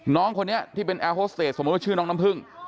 น้องคนนี้ที่เป็นแอร์โฮสเตจสมมุติว่าชื่อน้องน้ำผึ้ง